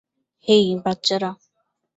হেই, বাচ্চারা।